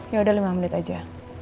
ya udah lima menit aja